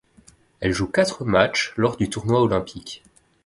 Elle joue quatre matchs lors du tournoi olympique.